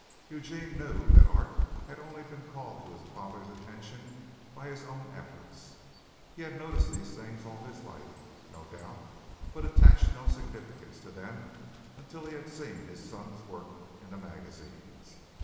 Eugene knew that art had only been called to his father's attention by his own efforts. He had noticed these things all his life, no doubt, but attached no significance to them until he had seen his son's work in the magazines.